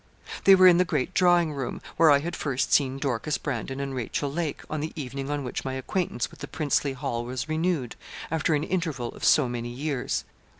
They were in the great drawing room, where I had first seen Dorcas Brandon and Rachel Lake, on the evening on which my acquaintance with the princely Hall was renewed, after an interval of so many years.